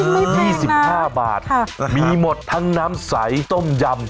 อ๋อนี่ไม่แพงนะค่ะมีหมดทั้งน้ำใสต้มยำ